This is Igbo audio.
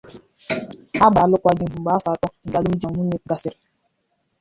Ha gbara alụkwaghịm mgbe afọ atọ nke alụmdi na nwunye gasịrị.